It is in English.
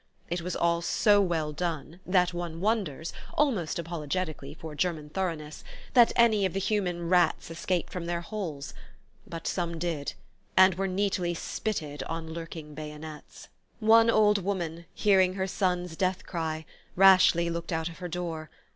It was all so well done that one wonders almost apologetically for German thoroughness that any of the human rats escaped from their holes; but some did, and were neatly spitted on lurking bayonets. One old woman, hearing her son's deathcry, rashly looked out of her door.